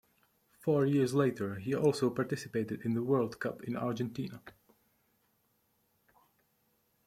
Four years later he also participated in the world Cup in Argentina.